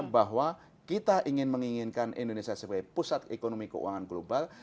bahwa kita ingin menginginkan indonesia sebagai pusat ekonomi keuangan global